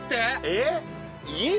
えっ？